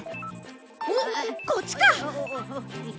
おっこっちか。